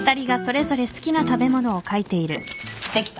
できた。